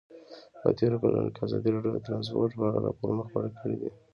په تېرو کلونو کې ازادي راډیو د ترانسپورټ په اړه راپورونه خپاره کړي دي.